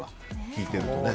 聞いてるとね。